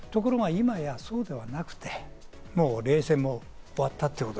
ところが、今やそうではなくて、もう冷戦も終わった。